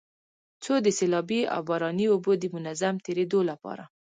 څو د سيلابي او باراني اوبو د منظم تېرېدو لپاره